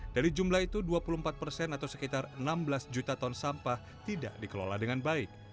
dari jumlah itu dua puluh empat persen atau sekitar enam belas juta ton sampah tidak dikelola dengan baik